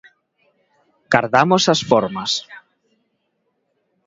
Gardamos as formas.